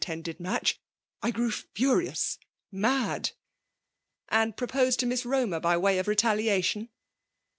tended match, I grew inrious, mad ^" ''And proposed to Miss Romcr, by way of. retaliation